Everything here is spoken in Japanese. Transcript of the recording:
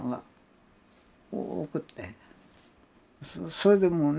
それでもね